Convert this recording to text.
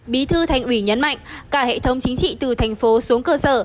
bí thư thành ủy nhấn mạnh cả hệ thống chính trị từ thành phố xuống cơ sở